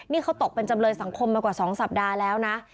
นี่เขาตกเป็นจำเลยสังคมมากว่า๒สัปดาห์แล้วนะ